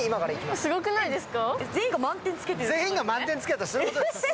すごくないですか。